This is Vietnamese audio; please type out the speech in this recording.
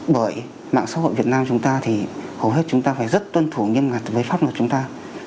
bởi mạng xã hội việt nam chúng ta thì hầu hết chúng ta phải rất tuân thủ nghiêm ngặt với pháp luật chúng ta